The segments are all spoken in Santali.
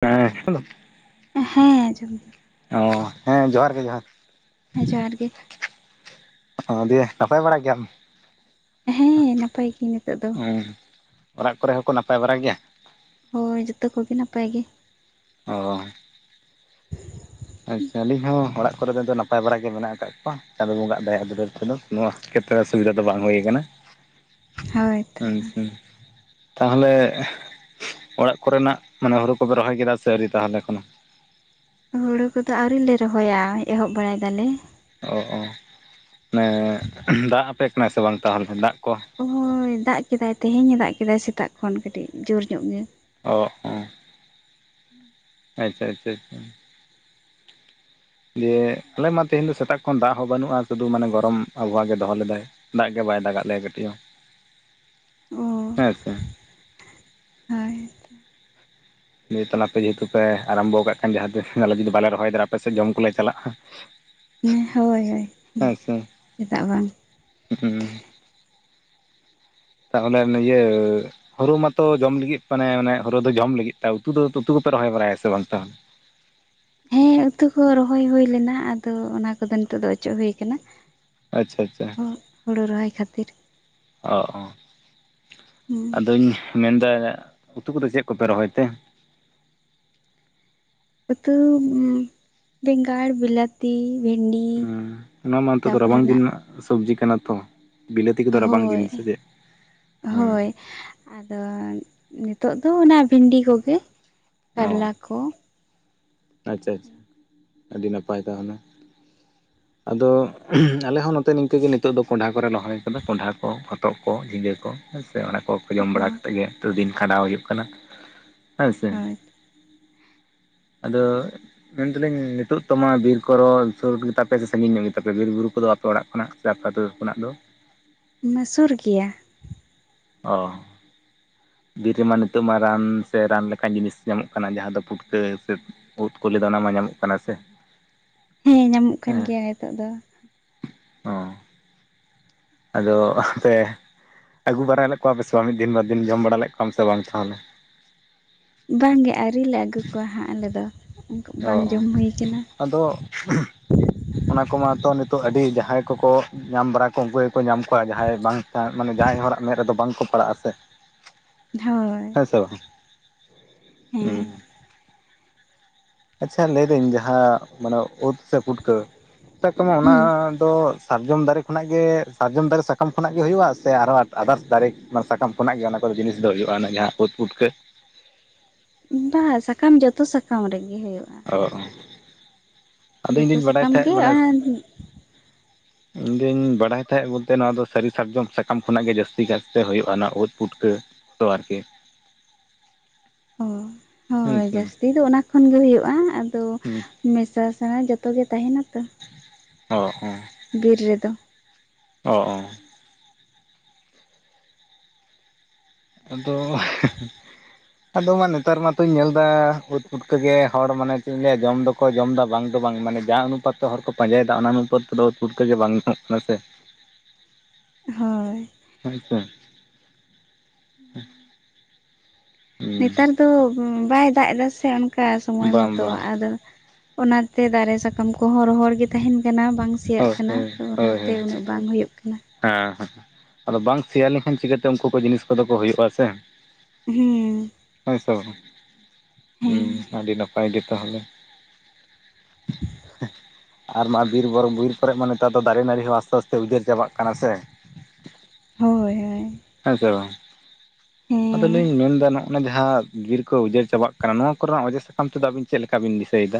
ᱦᱮᱸ ᱦᱮᱞᱳ ᱦᱮᱸ ᱟᱸᱡᱚᱢ ᱫᱤᱧ ᱚ ᱦᱮᱸ ᱡᱚᱦᱟᱨ ᱜᱮ ᱡᱚᱦᱟᱨ ᱾ ᱦᱮᱸ ᱡᱚᱦᱟᱨ ᱜᱮ ᱾ ᱚ ᱫᱤᱭᱮ ᱱᱟᱯᱟᱭ ᱵᱟᱲᱟ ᱜᱮᱭᱟᱢ? ᱦᱮᱸ ᱱᱟᱯᱟᱭ ᱜᱮ ᱱᱤᱛᱚᱜ ᱫᱚ ᱾ ᱚᱲᱟᱜ ᱠᱚᱨᱮ ᱦᱚᱸᱠᱚ ᱱᱟᱯᱟᱭ ᱵᱟᱲᱟᱭ ᱜᱮᱭᱟ? ᱦᱳᱭ ᱡᱚᱛᱚ ᱠᱚᱜᱮ ᱱᱟᱯᱟᱭ ᱜᱮ ᱾ ᱚ ᱾ ᱟᱪᱪᱷᱟ ᱟᱹᱞᱤᱧ ᱦᱚᱸ ᱚᱲᱟᱜ ᱠᱚᱨᱮ ᱫᱚ ᱱᱟᱯᱟᱭ ᱵᱟᱲᱟᱜ ᱜᱮ ᱢᱮᱱᱟᱜ ᱟᱠᱟᱫ ᱠᱚᱣᱟ ᱪᱟᱸᱫᱳ ᱵᱚᱸᱜᱟᱜ ᱫᱟᱭᱟ ᱫᱩᱞᱟᱹᱲ ᱛᱮᱫᱚ ᱱᱚᱣᱟ ᱠᱚᱛᱮ ᱚᱥᱩᱵᱤᱫᱟ ᱫᱚ ᱵᱟᱝ ᱦᱩᱭ ᱟᱠᱟᱱᱟ ᱾ ᱦᱳᱭ ᱛᱚ [unintelligible] ᱛᱟᱦᱚᱞᱮ ᱚᱲᱟᱜ ᱠᱚᱨᱮᱱᱟᱜ ᱢᱟᱱᱮ ᱦᱩᱲᱩ ᱠᱚᱯᱮ ᱨᱚᱦᱚᱭ ᱠᱮᱫᱟ ᱥᱮ ᱟᱹᱣᱨᱤ ᱛᱟᱦᱚᱞᱮ ᱮᱠᱷᱚᱱᱚ? ᱦᱩᱲᱩ ᱠᱚᱫᱚ ᱟᱹᱣᱨᱤᱞᱮ ᱨᱚᱦᱚᱭᱟ ᱮᱦᱚᱵ ᱵᱟᱲᱟᱭ ᱫᱟᱞᱮ ᱾ ᱚ, ᱚ ᱢᱟᱱᱮ ᱫᱟᱜ ᱟᱯᱮ ᱠᱟᱱᱟᱭ ᱥᱮ ᱵᱟᱝ ᱛᱟᱦᱚᱞᱮ ᱫᱟᱜ ᱠᱚ? ᱦᱚᱭ ᱫᱟᱜ ᱠᱮᱫᱟᱭ ᱛᱮᱦᱮᱧ ᱮ ᱫᱟᱜ ᱠᱮᱫᱟᱭ ᱥᱮᱛᱟᱜ ᱠᱷᱚᱱ ᱠᱟᱹᱴᱤᱡ ᱡᱳᱨ ᱧᱚᱜ ᱜᱮ ᱾ ᱚᱜᱼᱚ ᱾ ᱟᱪᱪᱷᱟ, ᱪᱷᱟ, ᱪᱷᱟ ᱾ ᱫᱤᱭᱟᱹ ᱟᱞᱮ ᱢᱟ ᱛᱮᱦᱮᱧ ᱫᱚ ᱥᱮᱛᱟᱜ ᱠᱷᱚᱱ ᱫᱟᱜ ᱦᱚᱸ ᱵᱟᱹᱱᱩᱜᱼᱟ ᱥᱩᱫᱷᱩ ᱢᱟᱱᱮ ᱜᱚᱨᱚᱢ ᱟᱵᱚᱦᱟᱣᱟ ᱜᱮ ᱫᱚᱦᱚ ᱞᱮᱫᱟᱭ ᱾ ᱫᱟᱜ ᱜᱮ ᱵᱟᱭ ᱫᱟᱜᱟᱜ ᱞᱮᱭᱟ ᱠᱟᱹᱴᱤᱡ ᱦᱚᱸ ᱦᱮᱸ ᱥᱮ ᱾ ᱦᱚᱭ ᱛᱚ ᱾ ᱫᱤᱭᱟᱹ ᱟᱯᱮ ᱡᱮᱦᱮᱛᱩ ᱯᱮ ᱟᱨᱟᱢᱵᱚ ᱠᱟᱜ ᱠᱷᱟᱱ ᱡᱟᱦᱟᱸ ᱛᱤᱥ ᱟᱞᱮ ᱡᱩᱫᱤ ᱵᱟᱞᱮ ᱨᱚᱦᱚᱭ ᱫᱟᱲᱭᱟᱜᱼᱟ ᱟᱯᱮ ᱥᱮ ᱡᱚᱢ ᱠᱚᱞᱮ ᱪᱟᱞᱟᱜᱼᱟ ᱾ [inaudible] ᱦᱳᱭ, ᱦᱳᱭ ᱪᱮᱫᱟᱜ ᱵᱟᱝ ᱾ ᱦᱩᱸ ᱾ ᱛᱟᱦᱚᱞᱮ ᱤᱭᱟᱹ ᱾ ᱦᱳᱲᱩ ᱢᱟᱛᱚ ᱡᱚᱢ ᱞᱟᱹᱜᱤᱫ, ᱢᱟᱱᱮ ᱦᱳᱲᱩ ᱫᱚ ᱡᱚᱢ ᱞᱟᱹᱜᱤᱫ ᱛᱮ ᱩᱛᱩ ᱫᱚ ᱩᱛᱩ ᱠᱚᱯᱮ ᱨᱚᱦᱚᱭ ᱵᱟᱲᱟᱭᱟ ᱥᱮ ᱵᱟᱝ ᱛᱟᱦᱚ? ᱦᱮ ᱩᱛᱩ ᱠᱚ ᱨᱚᱦᱚᱭ ᱦᱩᱭ ᱞᱮᱱᱟ ᱾ ᱟᱫᱚ ᱚᱱᱟ ᱠᱚᱫᱚ ᱱᱤᱛᱚᱜ ᱫᱚ ᱚᱪᱚᱜ ᱦᱩᱭ ᱟᱠᱟᱱᱟ ᱾ ᱟᱪᱪᱷᱟ, ᱟᱪᱪᱷᱟ ᱾ ᱦᱳᱲᱳ ᱨᱚᱦᱚᱭ ᱠᱷᱟᱹᱛᱤᱨ ᱾ ᱚᱜᱼᱚ ᱾ ᱦᱩᱸ ᱾ ᱟᱫᱚᱧ ᱢᱮᱱᱫᱟ ᱩᱛᱩ ᱠᱚᱫᱚ ᱪᱮᱫ ᱠᱚᱯᱮ ᱨᱚᱦᱚᱭ ᱛᱮ? ᱩᱛᱩ ᱵᱮᱸᱜᱟᱲ ᱵᱤᱞᱟᱹᱛ ᱾ ᱛᱤ, ᱵᱷᱮᱱᱰᱤ ᱛᱟᱯᱚᱨᱮᱱᱟᱜ ᱾ ᱥᱚᱵᱡᱽᱤ ᱠᱟᱱᱟ ᱛᱚ ᱵᱤᱞᱟᱹᱛᱤ ᱠᱚᱫᱚ ᱨᱟᱵᱟᱝ ᱦᱳᱭ ᱫᱤᱱ ᱥᱮ ᱪᱮᱫ? ᱦᱳᱭ ᱟᱫᱚ ᱱᱤᱛᱚᱜ ᱫᱚ ᱚᱱᱟ ᱵᱷᱮᱱᱰᱤ ᱠᱚᱜᱮ ᱚ ᱠᱟᱨᱞᱟ ᱠᱚ ᱾ ᱟᱪᱪᱷᱟ, ᱪᱪᱷᱟ ᱟᱹᱰᱤ ᱱᱟᱯᱟᱭ ᱛᱟᱦᱚᱞᱮ ᱾ ᱟᱫᱚ ᱟᱞᱮ ᱦᱚᱸ ᱱᱚᱛᱮ ᱱᱤᱝᱠᱟᱹ ᱜᱮ ᱱᱤᱛᱚᱜ ᱫᱚ ᱠᱚᱱᱰᱟᱦᱟ ᱠᱚᱨᱮ ᱨᱚᱦᱚᱭ ᱟᱠᱟᱫᱟ ᱠᱚᱱᱰᱟᱦᱟ ᱠᱚ ᱦᱚᱛᱚᱫ ᱠᱚ ᱡᱷᱤᱸᱜᱟᱹ ᱠᱚ ᱦᱮᱸ ᱥᱮ ᱚᱱᱟ ᱠᱚ ᱡᱚᱢ ᱵᱟᱲᱟ ᱠᱟᱛᱮᱫ ᱜᱮ ᱫᱤᱱ ᱠᱷᱟᱸᱰᱟᱣ ᱦᱩᱭᱩᱜ ᱠᱟᱱᱟ ᱦᱮᱸᱥᱮ ᱦᱳᱭ ᱟᱫᱚ ᱢᱮᱱ ᱫᱟᱞᱤᱧ ᱱᱤᱛᱳᱜ ᱛᱚᱢᱟ ᱵᱤᱨ ᱠᱚᱨᱚ ᱥᱩᱨ ᱜᱮᱛᱟ ᱯᱮ ᱥᱮ ᱥᱟᱺᱜᱤᱧ ᱧᱚᱜ ᱜᱮᱛᱟ ᱯᱮ ᱵᱤᱨ ᱵᱩᱨᱩ ᱠᱚᱫᱚ ᱟᱯᱮ? ᱚᱲᱟᱜ ᱠᱷᱚᱱᱟᱜ ᱥᱮ ᱟᱯᱮ ᱟᱛᱳ ᱠᱷᱚᱱᱟᱜ ᱫᱚ? ᱚᱱᱟ ᱥᱩᱨ ᱜᱮᱭᱟ ᱾ ᱚ ᱾ ᱵᱤᱨ ᱨᱮᱢᱟ ᱱᱤᱛᱚᱜ ᱢᱟ ᱨᱟᱱ ᱥᱮ ᱨᱟᱱ ᱞᱮᱠᱟᱱ ᱡᱤᱱᱤᱥ ᱧᱟᱢᱚᱜ ᱠᱟᱱᱟ ᱡᱟᱦᱟᱸ ᱫᱚ ᱯᱷᱩᱴᱠᱟᱹ ᱥᱮ ᱳᱫ ᱠᱚᱫᱚ ᱚᱱᱟ ᱢᱟ ᱧᱟᱢᱚᱜ ᱠᱟᱱᱟ ᱥᱮ ᱦᱮᱸ ᱧᱟᱢᱚᱜ ᱠᱟᱱ ᱦᱮᱸ ᱜᱮᱭᱟ ᱱᱤᱛᱚᱜ ᱫᱚ ᱾ ᱚ ᱾ ᱟᱫᱚ ᱟᱯᱮ ᱟᱹᱜᱩ ᱵᱟᱲᱟ ᱞᱮᱫ ᱠᱚᱣᱟ ᱯᱮ ᱥᱮ ᱵᱟᱝ ᱢᱤᱫ ᱫᱤᱱ ᱵᱟᱨ ᱫᱤᱱ ᱡᱚᱢ ᱵᱟᱲᱟ ᱞᱮᱫ ᱠᱚᱣᱟᱢ ᱥᱮ ᱵᱟᱝ ᱛᱟᱦᱚᱞᱮ? ᱵᱟᱝᱜᱮ ᱟᱹᱣᱨᱤᱞᱮ ᱟᱹᱜᱩ ᱠᱚᱣᱟ ᱦᱟᱸᱜ ᱟᱞᱮ ᱫᱚ ᱚ ᱵᱟᱝ ᱡᱚᱢ ᱦᱩᱭ ᱠᱟᱱᱟ ᱟᱫᱚ ᱚᱱᱟ ᱠᱚᱢᱟᱛᱚ ᱱᱤᱛᱚᱜ ᱟᱹᱰᱤ ᱡᱟᱦᱟᱸᱭ ᱠᱚᱠᱚ ᱧᱟᱢ ᱵᱟᱲᱟ ᱠᱚ ᱩᱱᱠᱩᱠᱚ ᱠᱚ ᱧᱟᱢ ᱠᱚᱣᱟ ᱡᱟᱦᱟᱸᱭ ᱵᱟᱝ ᱢᱟᱱᱮ ᱡᱟᱦᱟᱸᱭ ᱦᱚᱲᱟᱜ ᱢᱮᱫ ᱨᱮᱫᱚ ᱵᱟᱝᱠᱚ ᱯᱟᱲᱟᱜᱼᱟ ᱥᱮ ᱦᱳᱭ ᱦᱮᱸ [unintelligible] ᱟᱪᱪᱷᱟ ᱞᱟᱹᱭᱫᱟᱹᱧ ᱡᱟᱦᱟᱸ ᱢᱟᱱᱮ ᱚᱛ ᱥᱮ ᱯᱩᱴᱠᱟᱹ? ᱚᱱᱟ ᱦᱮᱸ ᱫᱚ ᱥᱟᱨᱡᱚᱢ ᱫᱟᱨᱮ ᱠᱷᱚᱱᱟᱜ ᱜᱮ ᱥᱟᱨᱡᱚᱢ ᱫᱟᱨᱮ ᱥᱟᱠᱟᱢ ᱠᱷᱚᱱᱟᱜ ᱜᱮ ᱦᱩᱭᱩᱜᱼᱟ ᱥᱮ ᱟᱨᱦᱚᱸ ᱟᱫᱟᱨᱥ ᱫᱟᱨᱮ ᱚᱱᱟ ᱥᱟᱠᱟᱢ ᱠᱷᱚᱱᱟᱜ ᱜᱮ? ᱡᱤᱱᱤᱥ ᱫᱚ ᱦᱩᱭᱩᱜᱼᱟ ᱡᱟᱦᱟᱸ ᱩᱫ ᱯᱩᱴᱠᱟᱹ ᱵᱟ ᱥᱟᱠᱟᱢ ᱡᱚᱛᱚ ᱥᱟᱠᱟᱢ ᱨᱮᱜᱮ ᱦᱩᱭᱩᱜᱼᱟ ᱚ ᱟᱫᱚ ᱤᱧ ᱡᱚᱛᱚ ᱫᱩᱧ ᱵᱟᱰᱟᱭ ᱥᱟᱠᱟᱢ ᱜᱮ ᱛᱟᱦᱮᱸᱜ ᱢᱟᱱᱮ ᱤᱧ ᱫᱩᱧ ᱵᱟᱰᱟᱭ ᱛᱟᱦᱮᱸ ᱵᱚᱞᱛᱮ ᱱᱚᱣᱟ ᱫᱚ ᱥᱟᱹᱨᱤ ᱥᱟᱨᱡᱚᱢ ᱥᱟᱠᱟᱢ ᱠᱷᱚᱱᱟᱜ ᱜᱮ ᱡᱟᱹᱥᱛᱤ ᱠᱟᱭᱛᱮ ᱦᱳᱭᱳᱜᱼᱟᱱᱟᱜ ᱩᱫ ᱯᱩᱴᱠᱟᱹ ᱫᱚ ᱟᱨᱠᱤ ᱚ ᱦᱩᱸ ᱦᱳᱭ ᱦᱩᱸ ᱡᱟᱹᱥᱛᱤ ᱫᱚ ᱚᱱᱟ ᱠᱷᱚᱱ ᱜᱮ ᱦᱩᱭᱩᱜᱼᱟ ᱟᱫᱚ ᱦᱩᱸ ᱢᱮᱥᱟ ᱥᱮᱬᱟ ᱡᱚᱛᱚ ᱜᱮ ᱛᱟᱦᱮᱱᱟ ᱛᱚ ᱚ ᱦᱚᱸ ᱵᱤᱨ ᱨᱮᱫᱚ ᱚ ᱚ ᱟᱫᱚ ᱟᱫᱚ ᱢᱟ ᱱᱮᱛᱟᱨ ᱢᱟᱛᱚᱧ ᱧᱮᱞᱫᱟ ᱩᱫ ᱯᱩᱴᱠᱟᱹ ᱜᱮ ᱦᱚᱲ ᱢᱟᱱᱮ ᱪᱮᱫ ᱤᱧ ᱞᱟᱹᱭᱟ ᱡᱚᱢ ᱫᱚ ᱠᱚ ᱡᱚᱢᱫᱟ ᱵᱟᱝ ᱫᱚ ᱵᱟᱝ ᱢᱟᱱᱮ ᱡᱟᱸᱦ ᱚᱱᱩᱯᱟᱛ ᱛᱮ ᱦᱚᱲ ᱠᱚ ᱯᱟᱸᱡᱟᱭᱮᱫᱟ ᱚᱱᱟ ᱚᱱᱩᱯᱟᱛ ᱛᱮᱫ ᱩᱛᱩ ᱯᱩᱴᱠᱟᱹ ᱜᱮ ᱵᱟᱝ ᱧᱟᱢᱚᱜ ᱠᱟᱱᱟ ᱥᱮ ᱦᱳᱭ ᱟᱪᱪᱷᱟ ᱦᱩᱸ ᱱᱮᱛᱟᱨ ᱫᱚ ᱵᱟᱭ ᱫᱟᱜ ᱮᱫᱟ ᱥᱮ ᱚᱱᱠᱟ ᱥᱚᱢᱚᱭ ᱵᱟᱝ ᱢᱚᱛᱚ ᱵᱟᱝ ᱟᱫᱚ ᱚᱱᱟᱛᱮ ᱫᱟᱨᱮ ᱥᱟᱠᱟᱢ ᱠᱚᱦᱚᱸ ᱨᱚᱦᱚᱲ ᱜᱮ ᱛᱟᱦᱮᱱ ᱠᱟᱱᱟ ᱵᱟᱝ ᱥᱮᱤᱭᱟᱜ ᱦᱳᱭ ᱠᱟᱱᱟ ᱦᱳᱭ ᱛᱚ ᱦᱳᱭ ᱚᱱᱟᱛᱮ ᱦᱳᱭ ᱩᱱᱟᱹᱜ ᱵᱟᱝ ᱦᱩᱭᱩᱜ ᱠᱟᱱᱟᱹ ᱦᱮᱸ ᱦᱮᱸ ᱟᱫᱚ ᱵᱟᱝ ᱥᱮᱭᱟ ᱞᱮᱱᱠᱷᱟᱱ ᱪᱤᱠᱟᱹᱛᱮ ᱩᱱᱠᱩ ᱠᱚ ᱡᱤᱱᱤᱥ ᱠᱚᱫᱚ ᱠᱚ ᱦᱩᱭᱩᱜᱼᱟ ᱥᱮ ᱦᱩᱸ ᱦᱳᱭ ᱥᱮ ᱦᱮᱸ ᱟᱹᱰᱤ ᱱᱟᱯᱟᱭ ᱜᱮ ᱛᱟᱦᱚᱞᱮ [inaudible] ᱟᱨ ᱢᱟ ᱵᱤᱨᱵᱩᱨᱩ ᱵᱤᱨ ᱠᱚᱨᱮ ᱢᱟ ᱱᱮᱛᱟᱨ ᱫᱚ ᱫᱟᱨᱮ ᱱᱟᱹᱲᱤ ᱦᱚᱸ ᱟᱥᱛᱮ ᱟᱥᱛᱮ ᱩᱡᱟᱹᱨ ᱪᱟᱵᱟᱜ ᱠᱟᱱᱟ ᱥᱮ ᱦᱳᱭ ᱦᱳᱭ ᱦᱮᱸ ᱥᱮ ᱵᱟᱝ ᱦᱮᱸ ᱟᱫᱚᱞᱤᱧ ᱢᱮᱱᱫᱟ ᱱᱚᱜᱼᱱᱟ ᱡᱟᱦᱟᱸ ᱵᱤᱨ ᱠᱚ ᱩᱡᱟᱹᱨ ᱪᱟᱵᱟᱜ ᱠᱟᱱᱟ ᱠᱟᱱᱟ ᱱᱚᱣᱟ ᱠᱚᱨᱮᱱᱟᱜ ᱚᱡᱮ ᱥᱟᱠᱟᱢ ᱛᱮᱫᱚ ᱟᱵᱤᱱ ᱪᱮᱫ ᱞᱮᱠᱟ ᱵᱤᱱ ᱫᱤᱥᱟᱹᱭᱮᱫᱟ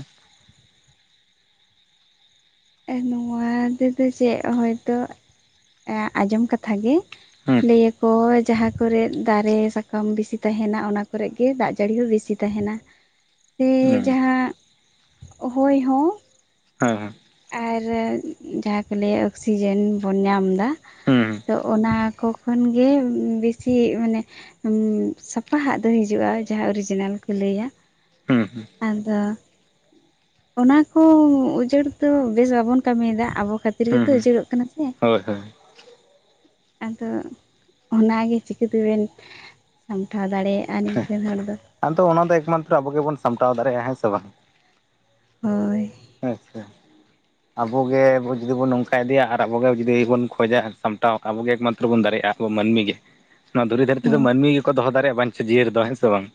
ᱱᱚᱣᱟ ᱛᱮᱫᱚ ᱪᱮᱫ ᱦᱚᱭᱛᱚ ᱟᱸᱡᱚᱢ ᱠᱟᱛᱷᱟᱜ ᱜᱮ ᱦᱩᱸ ᱞᱟᱹᱭᱟᱠᱚ ᱡᱟᱦᱟᱸ ᱠᱚᱨᱮ ᱫᱟᱨᱮ ᱥᱟᱠᱟᱢ ᱵᱮᱥᱤ ᱛᱟᱦᱮᱱᱟ ᱚᱱᱟ ᱠᱚᱨᱮᱜ ᱜᱮ ᱫᱟᱜ ᱡᱟᱹᱲᱤ ᱦᱚᱸ ᱵᱮᱥᱤ ᱛᱟᱦᱮᱱᱟ ᱥᱮ ᱦᱩᱸ ᱡᱟᱦᱟᱸ ᱦᱚᱭ ᱦᱚᱸ ᱦᱮᱸ ᱦᱮᱸ ᱟᱨ ᱡᱟᱦᱟᱸ ᱠᱚ ᱞᱟᱹᱭᱟ ᱚᱠᱥᱤᱡᱮᱱ ᱵᱚᱱ ᱧᱟᱢᱫᱟ ᱦᱩᱸ ᱦᱩᱸ ᱛᱚ ᱚᱱᱟ ᱠᱚ ᱠᱷᱚᱱ ᱜᱮ ᱵᱮᱥᱤ ᱢᱟᱱᱮ ᱥᱟᱯᱟᱦᱟᱜ ᱫᱚ ᱦᱤᱡᱩᱜᱼᱟ ᱡᱟᱦᱟᱸ ᱚᱨᱤᱡᱤᱱᱟᱞ ᱠᱚ ᱞᱟᱹᱭᱟ ᱦᱩᱸ ᱦᱩᱸ ᱟᱫᱚ ᱚᱱᱟ ᱠᱚ ᱩᱡᱟᱹᱲ ᱫᱚ ᱵᱮᱥ ᱵᱟᱵᱚᱱ ᱠᱟᱹᱢᱤᱭᱮᱫᱟ ᱟᱵᱚ ᱠᱷᱟᱹᱛᱤᱨ ᱜᱮᱛᱚ ᱦᱩᱸ ᱩᱡᱟᱹᱲᱚᱜ ᱠᱟᱱᱟ ᱥᱮ ᱦᱳᱭ ᱦᱳᱭ ᱟᱫᱚ ᱚᱱᱟᱜᱮ ᱪᱤᱠᱟᱹ ᱛᱮᱵᱮᱱ ᱥᱟᱢᱴᱟᱣ ᱫᱟᱲᱮᱭᱟᱜᱼᱟ ᱱᱤᱝᱠᱟᱹᱱ ᱦᱚᱲ ᱫᱚ ᱟᱫᱚ ᱚᱱᱟ ᱫᱚ ᱮᱠᱢᱟᱛᱨᱚ ᱟᱵᱚ ᱜᱮᱵᱚᱱ ᱥᱟᱢᱴᱟᱣ ᱫᱟᱲᱮᱭᱟᱜᱼᱟ ᱦᱮᱸ ᱥᱮ ᱵᱟᱝ? ᱦᱳᱭ ᱟᱪᱪᱷᱟ ᱟᱵᱚᱜᱮ ᱡᱩᱫᱤ ᱵᱚᱱ ᱱᱚᱝᱠᱟ ᱤᱫᱤᱭᱟ ᱟᱨ ᱟᱵᱚᱜᱮ ᱡᱩᱫᱤ ᱵᱚᱱ ᱠᱷᱚᱡᱟ ᱥᱟᱢᱴᱟᱣ ᱟᱵᱚᱜᱮ ᱮᱠᱢᱟᱛᱨᱚ ᱵᱚᱱ ᱫᱟᱲᱮᱭᱟᱜᱼᱟ ᱟᱵᱚ ᱢᱟᱹᱱᱢᱤ ᱜᱮ ᱱᱚᱣᱟ ᱫᱷᱩᱨᱤ ᱫᱷᱟᱹᱨᱛᱤ ᱫᱚ ᱢᱟᱹᱱᱢᱤ ᱜᱮᱠᱚ ᱫᱚᱦᱚ ᱫᱟᱲᱮᱭᱟᱜᱼᱟ ᱵᱟᱧᱪᱟ ᱡᱤᱭᱟᱹᱲ ᱫᱚ ᱦᱮᱸ ᱥᱮ ᱵᱟᱝ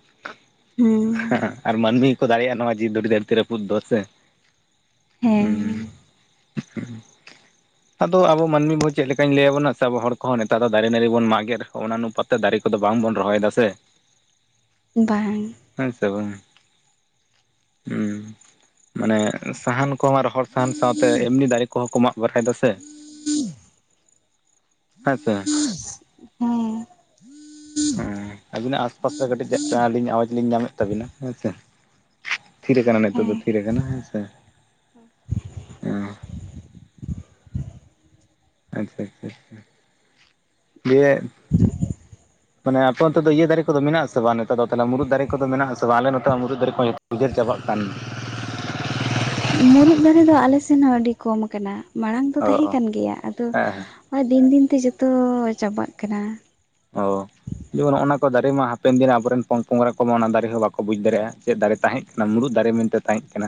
ᱦᱮᱸ ᱦᱮᱸ ᱟᱨ ᱢᱟᱹᱱᱢᱤ ᱜᱮ ᱠᱚ ᱫᱟᱲᱮᱭᱟᱜᱼᱟ ᱱᱚᱣᱟ ᱡᱤ ᱫᱷᱩᱲᱤ ᱫᱷᱟᱹᱨᱛᱤ ᱨᱟᱹᱯᱩᱫ ᱫᱚ ᱥᱮ ᱦᱩᱸ ᱦᱮᱸ ᱦᱩᱸ ᱟᱫᱚ ᱟᱵᱚ ᱢᱟᱹᱱᱢᱤ ᱵᱩ ᱪᱮᱫ ᱞᱮᱠᱟᱧ ᱞᱟᱹᱭ ᱟᱵᱚᱱᱟ ᱥᱮ ᱟᱵᱚ ᱦᱚᱲ ᱠᱚᱦᱚᱸ ᱱᱮᱛᱟᱨ ᱫᱚ ᱫᱟᱨᱮ ᱱᱟ. ᱲᱤ ᱵᱚᱱ ᱢᱟᱜᱮᱫᱦᱚᱸ ᱚᱱᱟ ᱱᱩ ᱯᱟ ᱫᱟᱨᱮ ᱠᱚᱫᱚ ᱵᱟᱝ ᱵᱚᱱ ᱨᱚᱦᱚᱭ ᱫᱟ ᱥᱮ ᱵᱟᱝ ᱦᱮᱸ ᱥᱮ ᱵᱟᱝ ᱦᱚᱸ ᱢᱟᱱᱮ ᱥᱟᱦᱟᱱ ᱠᱚᱢᱟ ᱨᱚᱦᱚᱲ ᱥᱟᱦᱟᱱ ᱥᱟᱶᱛᱮ ᱮᱢᱱᱤ ᱫᱟᱨᱮ ᱠᱚᱦᱚᱸ ᱠᱚ ᱢᱟᱜ ᱵᱟᱲᱟᱭᱮᱫᱟ ᱥᱮ ᱦᱮᱸ ᱥᱮ [unintelligible] ᱦᱮᱸ ᱦᱮᱸ ᱟᱹᱵᱤᱱᱟᱜ ᱟᱥᱯᱟᱥ ᱨᱮ ᱠᱟᱹᱴᱤᱡ ᱪᱮᱫ ᱪᱚ ᱟᱹᱞᱤᱧ ᱟᱣᱟᱡ ᱞᱤᱧ ᱧᱟᱢᱮᱫ ᱛᱟᱵᱤᱱᱟ ᱦᱮᱸᱥᱮ ᱛᱷᱤᱨ ᱠᱟᱱᱟ ᱱᱤᱛᱚᱜ ᱦᱮᱸ ᱫᱚ ᱛᱷᱤᱨ ᱠᱟᱱᱟ ᱦᱮᱸ [unintelligible] ᱚ ᱟᱪᱪᱷᱟ ᱟᱪᱪᱷᱟᱪᱷᱟ ᱫᱤᱭᱮ ᱢᱟᱱᱮ ᱟᱯᱮ ᱚᱱᱛᱮ ᱫᱚ ᱤᱭᱟᱹ ᱫᱟᱨᱮ ᱠᱚᱫᱚ ᱢᱮᱱᱟᱜᱼᱟ ᱥᱮ ᱵᱟᱝ ᱱᱮᱛᱟ ᱫᱚ ᱛᱟᱞᱮ ᱢᱩᱨᱩᱫ ᱫᱟᱨᱮ ᱠᱚ ᱫᱚ ᱢᱮᱱᱟᱜ ᱟᱥᱮ ᱵᱟᱝ ᱟᱞᱮ ᱱᱚᱛᱮ ᱢᱟ ᱢᱩᱨᱩᱫ ᱫᱟᱨᱮ ᱩᱡᱟᱹᱨ ᱪᱟᱵᱟᱜ ᱠᱟᱱ ᱢᱩᱨᱩᱫ ᱫᱟᱨᱮ ᱫᱚ ᱟᱞᱮ ᱥᱮᱱ ᱦᱚᱸ ᱟᱹᱰᱤ ᱠᱚᱢ ᱠᱟᱱᱟ ᱢᱟᱲᱟᱝ ᱫᱚ ᱚ ᱛᱟᱦᱮᱸ ᱚ ᱠᱟᱱ ᱜᱮᱭᱟ ᱟᱫᱚ ᱦᱮᱸ ᱦᱳᱭ ᱫᱤᱱ ᱫᱤᱱ ᱛᱮ ᱡᱚᱛᱚ ᱪᱟᱵᱟᱼᱜ ᱠᱟᱱᱟ ᱚ ᱡᱮᱢᱚ ᱱᱚᱭᱼᱚᱭ ᱱᱚᱣᱟ ᱠᱚ ᱫᱟᱨᱮ ᱢᱟ ᱦᱟᱯᱮᱱ ᱫᱤᱱ ᱨᱮᱱ ᱟᱵᱚᱨᱮᱱ ᱯᱚᱝ ᱯᱚᱝᱲᱟ ᱠᱚᱢᱟ ᱚᱱᱟ ᱫᱟᱨᱮ ᱦᱚᱸ ᱵᱟᱠᱚ ᱵᱩᱡᱽ ᱫᱟᱲᱮᱭᱟᱜᱼᱟ ᱪᱮᱫ ᱫᱟᱨᱮ ᱛᱟᱦᱮᱸᱫ ᱠᱟᱱᱟ ᱢᱩᱲᱩᱫ ᱫᱟᱨᱮ ᱢᱮᱱᱛᱮ ᱛᱟᱦᱮᱸ ᱠᱟᱱᱟ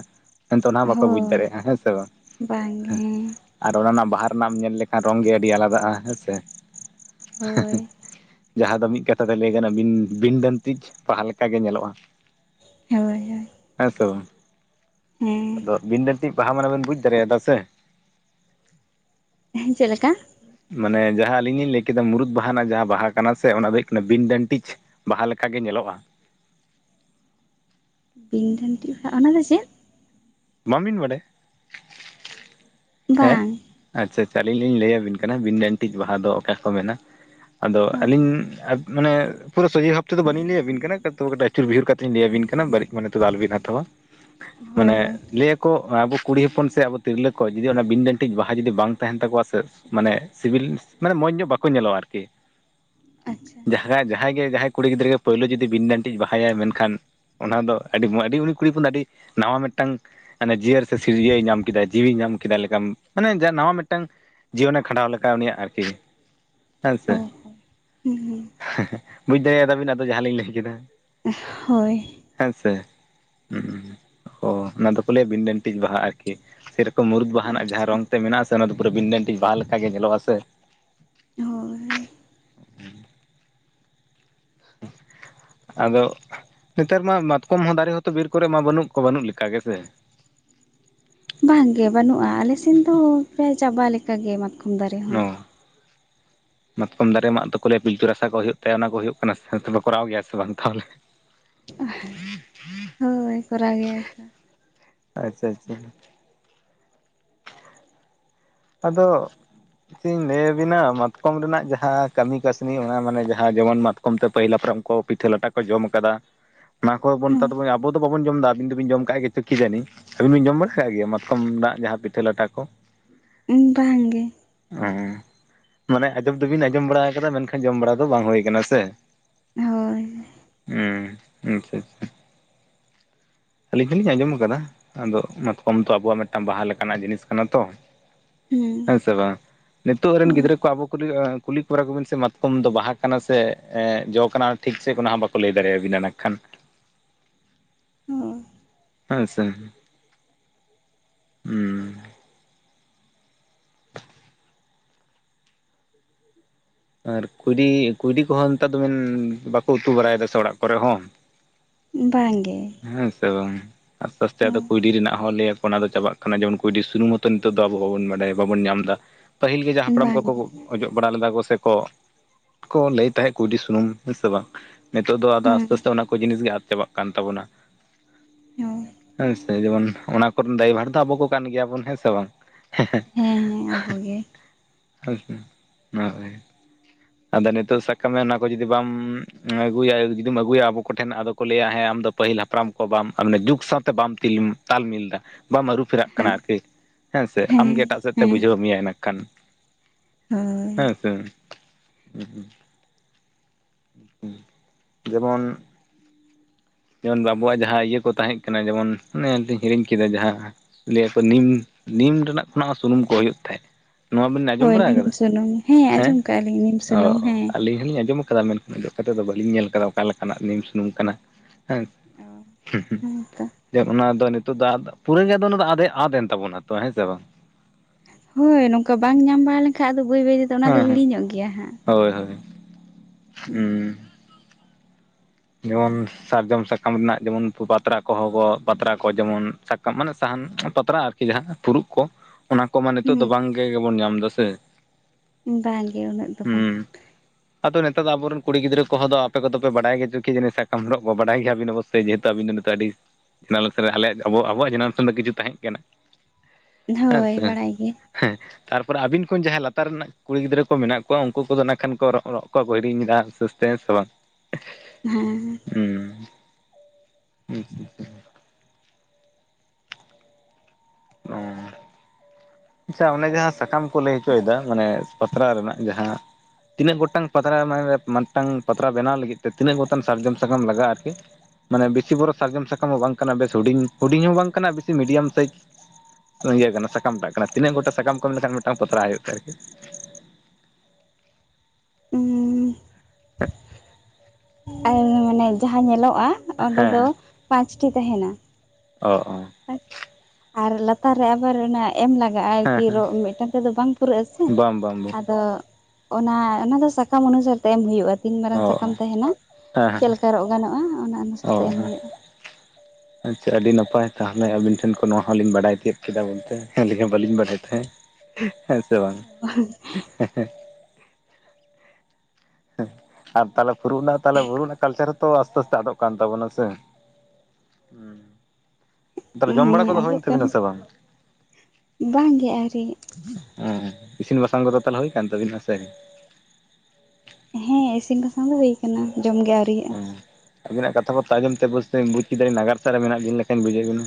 ᱢᱮᱱᱛᱮ ᱚᱱᱟ ᱦᱚᱸ ᱵᱟᱠᱚ ᱵᱩᱡᱽ ᱦᱳᱭ ᱫᱟᱲᱮᱭᱟᱜᱼᱟ ᱦᱮᱸ ᱥᱮ ᱵᱟᱝ ᱵᱟᱝ ᱜᱮ ᱦᱮᱸ ᱟᱨ ᱚᱱᱟ ᱨᱮᱱᱟᱜ ᱵᱟᱦᱟ ᱨᱮᱱᱟᱜ ᱮᱢ ᱧᱮᱞ ᱞᱮᱠᱷᱟᱱ ᱨᱚᱝ ᱜᱮ ᱟᱹᱰᱤ ᱟᱞᱟᱫᱟᱜᱼᱟ ᱦᱮᱸ ᱥᱮ ᱦᱳᱭ ᱡᱟᱦᱟᱸ ᱫᱚ ᱢᱤᱫ ᱠᱟᱛᱷᱟ ᱛᱮ ᱞᱟᱹᱭ ᱵᱤᱱ ᱵᱤᱱ ᱰᱟᱹᱱᱛᱤᱡ ᱯᱟᱦᱟ ᱞᱮᱠᱟᱜ ᱜᱮ ᱧᱮᱞᱚᱜᱼᱟ ᱦᱳᱭ ᱦᱳᱭ ᱟᱟᱥᱚ [unintelligible] ᱟᱫᱚ ᱦᱮᱸ ᱵᱤᱱ ᱫᱟᱹᱱᱴᱤᱡ ᱵᱟᱦᱟ ᱢᱟᱱᱮ ᱵᱤᱱ ᱵᱩᱡᱽ ᱫᱟᱲᱮᱭᱟᱫᱟ ᱥᱮ ᱦᱮᱸ ᱪᱮᱫ ᱞᱮᱠᱟ ᱢᱟᱱᱮ ᱡᱟᱦᱟᱸ ᱟᱹᱞᱤᱧ ᱞᱤᱧ ᱞᱟᱹᱭ ᱠᱮᱫᱟ ᱢᱩᱨᱩᱫ ᱵᱟᱦᱟ ᱨᱮᱱᱟᱜ ᱡᱟᱦᱟᱸ ᱵᱟᱦᱟ ᱠᱟᱱᱟ ᱥᱮ ᱚᱱᱟ ᱫᱚ ᱦᱩᱭᱩᱜ ᱠᱟᱱᱟ ᱵᱤᱱ ᱰᱟᱹᱱᱴᱤᱡ ᱵᱟᱦᱟ ᱞᱮᱠᱟ ᱜᱮ ᱧᱮᱞᱚᱜᱼᱟ ᱵᱤᱧ ᱰᱟᱹᱱᱴᱤᱜ ᱵᱟᱦᱟ ᱚᱱᱟ ᱫᱚ ᱪᱮᱫ ᱵᱟᱝ ᱵᱤᱱ ᱵᱟᱰᱟᱭᱟ ᱦᱮᱸ ᱵᱟᱝ ᱟᱪᱪᱷᱟ ᱟᱪᱪᱷᱟ ᱟᱹᱞᱤᱧ ᱞᱤᱧ ᱞᱟᱹᱭ ᱟᱹᱵᱤᱱ ᱠᱟᱱᱟ ᱵᱤᱱ ᱰᱟᱹᱱᱴᱤᱡ ᱵᱟᱦᱟ ᱫᱚ ᱚᱠᱟ ᱠᱚ ᱢᱮᱱᱟ ᱟᱫᱚ ᱦᱳᱭ ᱟᱹᱞᱤᱧ ᱢᱟᱱᱮ ᱯᱩᱨᱟᱹ ᱥᱚᱡᱷᱮ ᱵᱷᱟᱵ ᱛᱮᱫᱚ ᱵᱟᱹᱞᱤᱧ ᱞᱟᱹᱭ ᱟᱹᱵᱤᱱ ᱠᱟᱱᱟ ᱠᱟᱹᱴᱤᱡ ᱟᱹᱪᱩᱨ ᱵᱤᱦᱩᱨ ᱠᱟᱛᱮ ᱞᱤᱧ ᱞᱟᱹᱭ ᱟᱹᱵᱤᱱ ᱠᱟᱱᱟ ᱵᱟᱹᱲᱤᱡ ᱢᱚᱱᱮ ᱛᱮᱫᱚ ᱟᱞᱚᱵᱤᱱ ᱦᱟᱛᱟᱣᱟ ᱦᱳᱭ ᱢᱟᱱᱮ ᱦᱳᱭ ᱞᱟᱹᱭᱟᱠᱚ ᱟᱵᱚ ᱠᱩᱲᱤ ᱦᱚᱯᱚᱱ ᱥᱮ ᱟᱵᱚ ᱛᱤᱨᱞᱟᱹ ᱠᱚ ᱡᱩᱫᱤ ᱚᱱᱟ ᱵᱤᱱ ᱰᱟᱹᱱᱴᱤᱡ ᱵᱟᱦᱟ ᱡᱩᱫᱤ ᱵᱟᱝ ᱛᱟᱦᱮᱱ ᱛᱟᱠᱚᱣᱟ ᱥᱮ ᱢᱟᱱᱮ ᱥᱤᱵᱤᱞ ᱢᱟᱱᱮ ᱢᱚᱸᱡᱽ ᱧᱚᱜ ᱵᱟᱠᱚ ᱧᱮᱞᱚᱜᱼᱟ ᱟᱨᱠᱤ ᱟᱪᱪᱷᱟ ᱡᱟᱦᱟᱸ ᱡᱟᱦᱟᱸᱭ ᱜᱮ ᱡᱟᱦᱟᱸᱭ ᱠᱩᱲᱤ ᱜᱤᱫᱽᱨᱟᱹ ᱜᱮ ᱯᱳᱭᱞᱳ ᱡᱩᱫᱤ ᱵᱤᱱ ᱰᱟᱹᱱᱴᱤᱡ ᱵᱟᱦᱟᱭᱟᱭ ᱢᱮᱱᱠᱷᱟᱱ ᱚᱱᱟ ᱫᱚ ᱟᱹᱰᱤ ᱟᱹᱰᱤ ᱩᱱᱤ ᱠᱩᱲᱤᱯᱚᱱ ᱫᱚ ᱟᱹᱰᱤ ᱱᱟᱣᱟ ᱢᱤᱫᱴᱟᱝ ᱢᱟᱱᱮ ᱡᱤᱭᱟᱹᱨ ᱥᱮ ᱥᱤᱨᱡᱟᱹᱭ ᱧᱟᱢ ᱠᱮᱫᱟ ᱡᱤᱣᱤ ᱧᱟᱢ ᱠᱮᱫᱟᱭ ᱞᱮᱠᱟᱢ ᱢᱟᱱᱮ ᱡᱟ ᱱᱟᱣᱟ ᱢᱤᱫᱴᱟᱝ ᱡᱤᱭᱚᱱᱮ ᱠᱷᱟᱸᱰᱟᱣ ᱞᱮᱠᱟ ᱩᱱᱤᱭᱟᱜ ᱟᱨᱠᱤ ᱦᱮᱸᱥᱮ ᱚ ᱦᱩᱸ ᱦᱩᱸ ᱦᱮᱸᱦᱮᱸ ᱵᱩᱡᱽ ᱫᱟᱲᱮᱭᱟᱫᱟᱵᱤᱱ ᱟᱫᱚ ᱡᱟᱦᱟᱸ ᱞᱤᱧ ᱞᱟᱹᱭ ᱠᱮᱫᱟ ᱦᱳᱭ ᱦᱮᱸᱥᱮ ᱦᱚ ᱚᱱᱟ ᱫᱚᱠᱚ ᱞᱟᱹᱭᱟ ᱵᱤᱱ ᱰᱟᱹᱱᱴᱤᱡ ᱵᱟᱦᱟ ᱟᱨᱠᱤ ᱥᱮᱨᱚᱠᱚᱢ ᱢᱩᱨᱩᱫ ᱵᱟᱦᱟᱱᱟᱜ ᱡᱟᱦᱟᱸ ᱟᱪᱪᱷᱟ ᱨᱚᱝ ᱛᱮ ᱢᱮᱱᱟᱜᱼᱟ ᱥᱮ ᱚᱱᱟᱫᱚ ᱯᱩᱨᱟᱹ ᱵᱤᱱ ᱰᱟᱹᱱᱴᱤᱡ ᱵᱟᱦᱟ ᱞᱮᱠᱟ ᱜᱮ ᱧᱮᱞᱚᱜᱼᱟ ᱥᱮ ᱦᱳᱭ [inaudible] ᱟᱫᱚ ᱱᱮᱛᱟᱨ ᱢᱟ ᱢᱟᱛᱠᱚᱢ ᱦᱚᱸ ᱫᱟᱨᱮ ᱦᱚᱸᱛᱚ ᱵᱤᱨ ᱠᱚᱨᱮ ᱢᱟ ᱵᱟᱹᱱᱩᱜ ᱠᱚ ᱵᱟᱹᱱᱩᱜ ᱞᱮᱠᱟ ᱜᱮᱥᱮ ᱵᱟᱝᱜᱮ ᱵᱟᱹᱱᱩᱜᱼᱟ ᱟᱞᱮᱥᱮᱱ ᱫᱚ ᱯᱮᱨᱟᱭ ᱪᱟᱵᱟ ᱞᱮᱠᱟ‌ ᱜᱮ ᱱᱚᱣᱟ ᱢᱟᱛᱠᱚᱢ ᱫᱟᱨᱮ ᱢᱟᱜ ᱫᱚᱠᱚ ᱞᱮᱭᱟ ᱯᱤᱞᱛᱩ ᱨᱟᱥᱟ ᱠᱚ ᱦᱩᱭᱩᱜ ᱛᱮ, ᱚᱱᱟ ᱠᱚ ᱦᱩᱭᱩᱜ ᱠᱟᱱᱟ ᱥᱮ ᱠᱚᱨᱟᱣ ᱜᱮᱭᱟ ᱥᱮ ᱵᱟᱝ ᱛᱟᱦᱚᱞᱮ ᱦᱳᱭ᱾ ᱠᱚᱨᱟᱣ ᱜᱮᱭᱟ ᱠᱚ᱾ ᱟᱪᱪᱷᱟ ᱟᱪᱪᱷᱟ ᱟᱫᱚ ᱪᱮᱜ ᱤᱧ ᱞᱟᱹᱭ ᱟᱵᱤᱱᱟ ᱢᱟᱛᱠᱚᱢ ᱨᱮᱱᱟᱜ ᱡᱟᱦᱟ ᱠᱟᱹᱢᱤ ᱠᱟᱹᱥᱱᱤ ᱚᱱᱟ ᱢᱟᱱᱮ ᱡᱟᱦᱟᱸ ᱡᱮᱢᱚᱱ ᱢᱟᱛ ᱠᱚᱢᱛᱮ ᱯᱟᱹᱦᱤᱞ ᱦᱟᱯᱲᱟᱢ ᱠᱚ ᱯᱤᱴᱷᱟᱹ ᱞᱟᱴᱟ ᱠᱚ ᱡᱚᱢ ᱠᱟᱫᱟ᱾ ᱚᱱᱟ ᱠᱚᱦᱚᱸ ᱵᱚᱱ [unintelligible] ᱟᱵᱚ ᱫᱚ ᱵᱟᱵᱚᱱ ᱡᱚᱢ ᱫᱟ ᱟᱵᱤᱱ ᱫᱚᱵᱤᱱ ᱡᱚᱢ ᱠᱟᱜ ᱜᱮᱪᱚ ᱠᱤ ᱡᱟᱱᱤ ᱟᱹᱵᱤᱱ ᱵᱤᱱ ᱡᱚᱢ ᱵᱟᱲᱟ ᱠᱟᱜ ᱜᱮᱭᱟ, ᱢᱟᱛᱠᱚᱢ ᱨᱮᱱᱟᱜ ᱡᱟᱦᱟᱸ ᱯᱤᱴᱷᱟᱹ ᱞᱟᱴᱷᱟ ᱠᱚ᱾ ᱵᱟᱝ ᱜᱮ᱾ ᱚ ᱢᱟᱱᱮ ᱟᱡᱚᱢ ᱫᱚᱵᱤᱱ ᱟᱡᱚᱢ ᱵᱟᱲᱟ ᱠᱟᱫᱟ᱾ ᱢᱮᱱᱠᱷᱟᱱ ᱡᱚᱢ ᱵᱟᱲᱟ ᱫᱚ ᱵᱟᱝ ᱦᱳᱭ ᱠᱟᱱᱟ ᱥᱮ ᱦᱳᱭ ᱩᱸ ᱟᱪᱪᱷᱟ ᱟᱪᱪᱷᱟ᱾ ᱟᱹᱞᱤᱧ ᱢᱟᱞᱤᱧ ᱟᱸᱡᱚᱢ ᱟᱠᱟᱫᱟ᱾ ᱟᱫᱚ ᱢᱟᱛᱠᱚᱢ ᱛᱚ ᱟᱵᱚᱣᱟᱜ ᱢᱤᱫᱴᱟᱝ ᱵᱟᱦᱟ ᱞᱮᱠᱟᱱᱟᱜ ᱡᱤᱱᱤᱥ ᱠᱟᱱᱟ ᱛᱚ ᱦᱩᱸ ᱦᱮᱸ ᱥᱮ ᱵᱟᱝ ᱱᱤᱛᱚᱜ ᱨᱮᱱ ᱦᱳᱭ ᱜᱤᱫᱽᱨᱟᱹ ᱠᱚ ᱟᱵᱚ ᱠᱩᱞᱤ ᱠᱩᱞᱤ ᱠᱚ ᱠᱚᱵᱤᱱ ᱥᱮ ᱢᱟᱛᱠᱚᱢ ᱫᱚ ᱵᱟᱦᱟ ᱠᱟᱱᱟ ᱥᱮ ᱡᱚ ᱠᱟᱱᱟ ᱴᱷᱤᱠ ᱥᱟᱹᱦᱤᱡ ᱚᱱᱟ ᱦᱚᱸ ᱵᱟᱠᱚ ᱞᱟᱹᱭ ᱫᱟᱲᱮ ᱟᱵᱤᱱᱟ ᱱᱟᱜ ᱠᱷᱟᱱ ᱦᱳᱭ ᱦᱮᱸ ᱥᱮ ᱩ ᱟᱨ ᱠᱩᱭᱰᱤ, ᱠᱩᱭᱰᱤ ᱠᱚᱦᱚᱸ ᱱᱮᱛᱟᱨ ᱫᱚ ᱵᱮᱱ ᱵᱟᱠᱚ ᱩᱛᱩ ᱵᱟᱲᱟᱭ ᱫᱟ ᱥᱮ ᱦᱚᱸ ᱚᱲᱟᱜ ᱠᱚᱨᱮᱜ ᱦᱚᱸ ᱵᱟᱝ ᱜᱮ ᱦᱮᱸ ᱥᱮ ᱵᱟᱝ ᱟᱥᱛᱮ ᱟᱥᱛᱮ ᱟᱫᱚ ᱠᱩᱭᱰᱤ ᱨᱮᱱᱟᱜ ᱦᱚᱸ ᱞᱟᱹᱭ ᱟᱠᱚ ᱚᱱᱟ ᱫᱚ ᱪᱟᱵᱟᱜ ᱠᱟᱱᱟ, ᱡᱮᱢᱚᱱ ᱠᱩᱭᱰᱤ ᱥᱩᱱᱩᱢ ᱦᱚᱛᱚ ᱱᱤᱛᱚᱜ ᱫᱚ ᱟᱵᱚ ᱵᱟᱵᱚᱱ ᱵᱟᱰᱟᱭᱟ᱾ ᱵᱟᱵᱚᱱ ᱧᱟᱢ ᱫᱟ᱾ ᱯᱟᱹᱦᱤᱞ ᱜᱮ ᱡᱟᱦᱟᱸ ᱦᱟᱯᱲᱟᱢ ᱵᱟᱝ ᱠᱚᱠᱚ ᱚᱡᱚᱜ ᱵᱟᱲᱟ ᱞᱮᱫᱟ ᱠᱚ ᱥᱮ ᱠᱚ ᱞᱟᱹᱭ ᱛᱟᱦᱮᱜ ᱠᱩᱭᱰᱤ ᱥᱩᱱᱩᱢ ᱦᱮᱸ ᱥᱮ ᱵᱟᱝ ᱱᱤᱛᱳᱜ ᱫᱚ ᱟᱫᱚ ᱟᱥᱛᱮ ᱦᱮᱸ ᱟᱥᱛᱮ ᱚᱱᱟ ᱠᱚ ᱡᱤᱱᱤᱥ ᱜᱮ ᱟᱫ ᱪᱟᱵᱟᱜ ᱠᱟᱱ ᱛᱟᱵᱚᱱᱟ᱾ ᱦᱳᱭ ᱦᱮᱸ ᱥᱮ ᱡᱮᱢᱚᱱ ᱚᱱᱟ ᱠᱚᱨᱮᱱ ᱫᱟᱭᱤ ᱵᱷᱟᱨ ᱫᱚ ᱟᱵᱚ ᱠᱚ ᱠᱟᱱ ᱜᱮᱭᱟᱵᱚᱱ ᱦᱮᱸ ᱥᱮ ᱵᱟᱝ? ᱦᱮᱸ ᱦᱮᱸ ᱟᱵᱚ ᱜᱮ᱾ [unintelligible] ᱟᱫᱚ ᱱᱤᱛᱳᱜ ᱥᱟᱜ ᱠᱟᱜ ᱢᱮ ᱚᱱᱟ ᱠᱚ ᱡᱩᱫᱤ ᱵᱟᱢ ᱟᱹᱜᱩᱭᱟ ᱡᱩᱫᱤᱢ ᱟᱹᱜᱩᱭᱟ ᱟᱵᱚ ᱠᱚ ᱴᱷᱮᱱ ᱟᱫᱚ ᱠᱚ ᱞᱟᱹᱭᱟ ᱦᱮᱸ ᱟᱢᱫᱚ ᱯᱟᱹᱦᱤᱞ ᱦᱟᱯᱲᱟᱢ ᱠᱚ ᱵᱟᱢ ᱢᱟᱱᱮ ᱡᱩᱜᱽ ᱥᱟᱶᱛᱮ ᱵᱟᱢ [unintelligible] ᱛᱟᱞ ᱢᱤᱞ ᱫᱟ᱾ ᱵᱟᱢ ᱟᱨᱩ ᱯᱷᱮᱨᱟᱜ ᱠᱟᱱᱟ ᱟᱨᱠᱤ ᱦᱮᱸ ᱥᱮ ᱟᱢᱜᱮ ᱮᱴᱟᱜ ᱥᱮᱫ ᱛᱮ ᱵᱩᱡᱷᱟᱹᱣ ᱢᱮᱭᱟᱭ ᱱᱟᱜ ᱠᱷᱟᱱ᱾ ᱦᱳᱭ ᱦᱮᱸ ᱥᱮ ᱦᱩᱸ ᱦᱩᱸ ᱡᱮᱢᱚᱱ ᱡᱮᱢᱚᱱ ᱵᱟᱵᱩᱣᱟᱜ ᱡᱟᱦᱟᱸ ᱤᱭᱟᱹ ᱠᱚ ᱛᱟᱦᱮᱜ ᱠᱟᱱᱟ, ᱡᱮᱢᱚᱱ ᱚᱱᱮ ᱦᱤᱲᱤᱧ ᱠᱮᱫᱟ ᱡᱟᱦᱟᱸ ᱞᱮᱭᱟᱠᱚ ᱱᱤᱢ, ᱱᱤᱢ ᱨᱮᱱᱟᱜ ᱠᱷᱚᱱᱟᱜ ᱦᱚᱸ ᱥᱩᱱᱩᱢ ᱠᱚ ᱦᱳᱭᱳᱜ ᱛᱟᱦᱮᱜ᱾ ᱦᱳᱭ ᱱᱤᱢ ᱥᱩᱱᱩᱢ ᱦᱮᱸ ᱟᱡᱚᱢ ᱠᱟᱜᱼᱟ ᱞᱤᱧ ᱱᱤᱢ ᱚ ᱥᱩᱱᱩᱢ ᱚ ᱦᱮᱸ ᱟᱞᱤᱧ ᱦᱚᱞᱤᱧ ᱟᱸᱡᱚᱢ ᱠᱟᱫᱟ ᱢᱮᱱᱠᱷᱟᱱ ᱚᱡᱚᱜ ᱠᱟᱛᱮ ᱫᱚ ᱵᱟᱹᱞᱤᱧ ᱧᱮᱞ ᱠᱟᱫᱟ, ᱚᱠᱟ ᱞᱮᱠᱟᱱᱟᱜ ᱱᱤᱢ ᱥᱩᱱᱩᱢ ᱠᱟᱱᱟ ᱦᱮᱸ ᱦᱮᱸ ᱛᱚ ᱡᱮ ᱚᱱᱟ ᱫᱚ ᱱᱤᱛᱚᱜ ᱫᱚ, ᱯᱩᱨᱟᱹ ᱜᱮ ᱫᱚ ᱟᱫᱮ ᱟᱫ ᱮᱱ ᱛᱟᱵᱚᱱᱟ ᱛᱚᱺ ᱦᱮᱸ ᱥᱮ ᱵᱟᱝ? ᱦᱳᱭ ᱱᱚᱝᱠᱟ ᱵᱟᱝ ᱧᱟᱢ ᱵᱟᱲᱟ ᱞᱮᱱᱠᱷᱟᱡ ᱟᱫᱚ ᱵᱟᱹᱭ ᱵᱟᱹᱭ ᱛᱮᱫᱚ ᱚᱱᱟ ᱫᱚ ᱦᱮᱸ ᱦᱮᱸ᱾ ᱦᱤᱲᱤᱧᱚᱜ ᱜᱮᱭᱟ ᱦᱟᱸᱜ᱾ ᱦᱳᱭ ᱦᱳᱭ ᱩᱸᱻ ᱾ ᱡᱮᱢᱚᱱ ᱥᱟᱨᱡᱚᱢ ᱥᱟᱠᱟᱢ ᱨᱮᱱᱟᱜ ᱡᱮᱢᱚᱱ ᱯᱟᱛᱨᱟ ᱠᱚᱦᱚ ᱠᱚ, ᱯᱟᱛᱨᱟ ᱠᱚ ᱡᱮᱢᱚᱱ ᱢᱟᱱᱮ ᱥᱟᱦᱟᱱ ᱯᱟᱛᱲᱟ ᱟᱨᱠᱤ ᱡᱟᱦᱟᱸ ᱯᱷᱩᱨᱩᱜ ᱠᱚ, ᱚᱱᱟ ᱠᱚ ᱢᱟ ᱱᱤᱛᱚᱜ ᱫᱚ ᱵᱟᱝ ᱦᱩᱸ ᱜᱮᱵᱚᱱ ᱧᱟᱢ ᱫᱟ ᱥᱮ ᱵᱟᱝ ᱜᱮ ᱩᱱᱟᱹᱜ ᱫᱚ ᱵᱟᱝ ᱦᱩᱸ᱾ ᱟᱫᱚ ᱱᱮᱛᱟᱨ ᱫᱚ ᱟᱵᱚᱨᱮᱱ ᱠᱩᱲᱤ ᱜᱤᱫᱽᱨᱟᱹ ᱠᱚᱦᱚᱸ ᱫᱚ ᱟᱯᱮᱠᱚᱫᱚ ᱯᱮ ᱵᱟᱰᱟᱭ ᱜᱮᱪᱚ ᱠᱮ ᱡᱟᱱᱮ ᱥᱟᱠᱟᱢ ᱨᱚᱜ ᱠᱚ ᱵᱟᱰᱟᱭ ᱜᱮᱭᱟ ᱵᱤᱱ ᱚᱵᱚᱥᱥᱚ᱾ ᱥᱮ ᱡᱮᱦᱮᱛᱩ ᱟᱵᱤᱱ ᱫᱚ ᱱᱤᱛᱚᱜ ᱟᱹᱰᱤ [unintelligible] ᱟᱞᱮᱭᱟᱜ ᱟᱵᱚᱣᱟᱜ ᱡᱮᱱᱟᱨᱮᱥᱮᱱ ᱫᱚ ᱠᱤᱪᱷᱩ ᱛᱟᱦᱮᱜ ᱠᱟᱱᱟ ᱦᱮᱸ ᱦᱳᱭ ᱥᱮ ᱵᱟᱲᱟᱭ ᱜᱮ ᱦᱮᱸ ᱛᱟᱨᱯᱚᱨᱮ ᱟᱹᱵᱤᱱ ᱠᱷᱚᱱ ᱡᱟᱦᱟ ᱞᱟᱛᱟᱨ ᱨᱮᱱᱟᱜ ᱠᱩᱲᱤ ᱜᱤᱫᱽᱨᱟᱹ ᱠᱚ ᱢᱮᱱᱟᱜ ᱠᱚᱣᱟ ᱩᱱᱠᱩ ᱠᱚᱫᱚ ᱱᱟᱜ ᱠᱷᱟᱱ ᱠᱚ ᱨᱚᱜ-ᱨᱚᱜ ᱠᱚᱠᱚ ᱦᱤᱲᱤᱧ ᱫᱟ ᱟᱥᱛᱮ ᱟᱥᱛᱮ ᱦᱮ ᱥᱮ ᱵᱟᱝ? ᱦᱮᱸ ᱩᱸ ᱚᱸᱻ ᱾ ᱟᱪᱪᱷᱟ ᱚᱱᱮ ᱡᱟᱦᱟᱸ ᱥᱟᱠᱟᱢ ᱠᱚ ᱞᱟᱹᱭ ᱦᱚᱪᱚᱭᱮᱫᱟ ᱢᱟᱱᱮ ᱯᱟᱛᱲᱟ ᱨᱮᱱᱟᱜ ᱡᱟᱦᱟᱸ ᱛᱤᱱᱟᱹᱜ ᱜᱚᱴᱟᱝ ᱯᱟᱛᱟᱪᱮ ᱢᱤᱫᱴᱟᱝ ᱯᱟᱛᱲᱟ ᱵᱮᱱᱟᱣ ᱞᱟᱹᱜᱤᱫ ᱛᱮ ᱛᱤᱱᱟᱹᱜ ᱜᱚᱴᱟᱝ ᱥᱟᱨᱡᱚᱢ ᱥᱟᱠᱟᱢ ᱞᱟᱜᱟᱜᱼᱟ ᱟᱨᱠᱮ? ᱢᱟᱱᱮ ᱵᱤᱥᱤ ᱵᱚᱨᱚ ᱥᱟᱨᱡᱚᱢ ᱥᱟᱠᱟᱢ ᱦᱚᱸ ᱵᱟᱝ ᱠᱟᱱᱟ ᱵᱮᱥ ᱦᱩᱰᱤᱧ ᱦᱩᱰᱤᱧ ᱦᱚᱸ ᱵᱟᱝ ᱠᱟᱱᱟ ᱵᱮᱥᱤ ᱢᱤᱰᱤᱭᱟᱢ ᱥᱟᱭᱤᱡ ᱤᱭᱟᱹ ᱠᱟᱱᱟ ᱥᱟᱠᱟᱢ ᱴᱟᱜ ᱠᱟᱱᱟ ᱛᱤᱱᱟᱹᱜ ᱜᱚᱴᱟᱝ ᱥᱟᱠᱟᱢ ᱠᱚ ᱮᱢ ᱞᱮᱠᱷᱟᱱ ᱢᱤᱫᱴᱟᱝ ᱯᱟᱛᱲᱟ ᱦᱩᱭᱩᱜ ᱛᱟᱭ? [inaudible] ᱟᱨ ᱢᱟᱱᱮ ᱡᱟᱦᱟᱸ ᱧᱮᱞᱚᱜᱼᱟ ᱚᱸᱰᱮ ᱦᱮᱸ ᱫᱚ ᱦᱮᱸ ᱯᱟᱸᱪᱴᱤ ᱛᱟᱦᱮᱱᱟ ᱾ ᱚ ᱟᱨ ᱞᱟᱛᱟᱨ ᱨᱮ ᱟᱵᱟᱨ ᱚᱱᱟ ᱮᱢ ᱞᱟᱜᱟᱜᱼᱟ ᱟᱨ ᱠᱤ ᱨᱚᱜ ᱢᱤᱫᱴᱟᱝ ᱛᱮᱫᱚ ᱵᱟᱝ ᱯᱩᱨᱟᱹᱜ ᱟᱥᱮ ᱚ ᱵᱟᱝ ᱵᱟᱝ ᱵᱟᱝ ᱟᱫᱚ ᱚᱱᱟ ᱚᱱᱟ ᱫᱚ ᱥᱟᱠᱟᱢ ᱚᱱᱩᱥᱟᱨ ᱛᱟᱭᱚᱢ ᱦᱳᱭᱳᱜᱼᱟ ᱛᱤᱱ ᱢᱟᱨᱟᱝ ᱚ ᱥᱟᱠᱟᱢ ᱚ ᱛᱟᱦᱮᱱᱟ ᱪᱮᱫ ᱞᱮᱠᱟ ᱨᱚᱜ ᱜᱟᱱᱚᱜᱼᱟ ᱚᱱᱟ ᱚᱱᱟ ᱚᱦᱚ ᱾ ᱟᱪᱷᱟ ᱟᱹᱰᱤ ᱱᱟᱯᱟᱭ ᱛᱟᱦᱚᱞᱮ ᱟᱵᱤᱱ ᱴᱷᱮᱱ ᱠᱷᱚᱱ ᱱᱚᱣᱟ ᱦᱚᱸᱞᱤᱧ ᱵᱟᱰᱟᱭ ᱪᱮᱫ ᱠᱮᱫᱟ ᱵᱚᱞᱛᱮ ᱟᱹᱞᱤᱧ ᱦᱚᱸ ᱵᱟᱹᱞᱤᱧ ᱵᱟᱲᱟᱭ ᱛᱟᱦᱮᱸᱫ ᱾ ᱦᱮᱸ ᱥᱮ ᱵᱟᱝ ᱚ ᱦᱚᱭ ᱦᱮᱸ ᱦᱮᱸ [inaudible] ᱟᱨ ᱛᱟᱦᱚᱞᱮ ᱯᱷᱩᱨᱩᱜ ᱱᱟ ᱛᱟᱦᱚᱞᱮ ᱵᱷᱩ ᱠᱟᱞᱪᱟᱨ ᱦᱚᱸᱛᱚ ᱟᱥᱛᱮ ᱟᱥᱛᱮ ᱟᱫᱚᱜ ᱠᱟᱱ ᱛᱟᱵᱚᱱᱟ ᱥᱮ ᱾ ᱛᱟᱦᱚᱞᱮ ᱡᱚᱢ ᱵᱟᱲᱟ ᱦᱮᱸ ᱠᱚᱫᱚ ᱟᱫᱚ ᱦᱩᱭᱮᱱ ᱠᱷᱟᱱ ᱛᱟᱵᱤᱱᱟ ᱥᱮ ᱵᱟᱝ? ᱵᱟᱝᱜᱮ ᱟᱹᱣᱨᱤ ᱜᱮ ᱦᱮᱸ ᱤᱥᱤᱱ ᱵᱟᱥᱟᱝ ᱠᱚᱫᱚ ᱛᱟᱞᱮ ᱦᱩᱭ ᱠᱟᱱᱟ ᱛᱟᱵᱤᱱᱟ ᱥᱮ? ᱦᱮᱸ ᱤᱥᱤᱱ ᱵᱟᱥᱟᱝ ᱫᱚ ᱦᱩᱭ ᱟᱠᱟᱱᱟ ᱡᱚᱢᱜᱮ ᱟᱹᱣᱨᱤᱭᱟᱜᱼᱟ ᱾ ᱟᱵᱤᱱᱟᱜ ᱠᱟᱛᱷᱟ ᱵᱟᱨᱛᱟ ᱟᱸᱡᱚᱢ ᱵᱮᱥ ᱵᱩᱡᱽ ᱠᱮᱫᱟᱲᱤᱧ ᱱᱟᱜᱟᱨ ᱥᱟᱱ ᱨᱮ ᱢᱮᱱᱟᱜ ᱵᱤᱱ ᱞᱮᱠᱷᱟᱱ ᱵᱩᱡᱷᱟᱣᱮᱛ ᱵᱤᱱᱟ